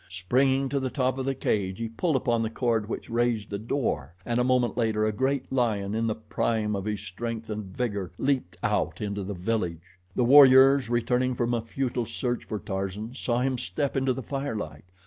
Springing to the top of the cage he pulled upon the cord which raised the door, and a moment later a great lion in the prime of his strength and vigor leaped out into the village. The warriors, returning from a futile search for Tarzan, saw him step into the firelight.